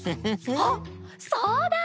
あっそうだ！